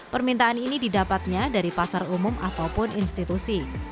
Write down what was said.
permintaan ini didapatnya dari pasar umum ataupun institusi